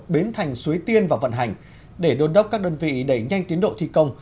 bến thành suối tiên vào vận hành để đôn đốc các đơn vị đẩy nhanh tiến độ thi công